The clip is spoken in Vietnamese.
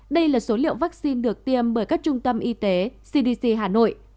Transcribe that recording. đây là số liệu vaccine được tiêm bởi các trung tâm y tế cdc hà nội